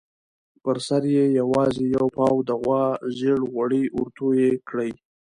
پر سر یې یوازې یو پاو د غوا زېړ غوړي ورتوی کړي.